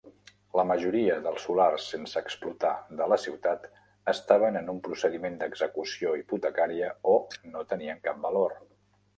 La majoria dels solars sense explotar de la ciutat estaven en un procediment d'execució hipotecària o no tenien cap valor.